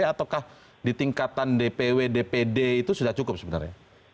ataukah di tingkatan dpw dpd itu sudah cukup sebenarnya